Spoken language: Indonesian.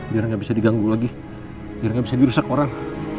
biar nggak bisa diganggu lagi bisa dirusak orang